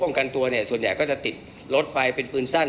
มีการที่จะพยายามติดศิลป์บ่นเจ้าพระงานนะครับ